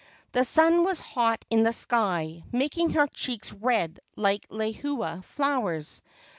The sun was hot in the sky, making her cheeks red like lehua flowers.